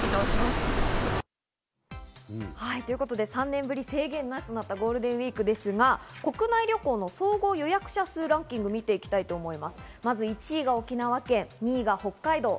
３年ぶり制限なしとなったゴールデンウイークですが、国内旅行の総合予約者数ランキングを見ていきたいと思います。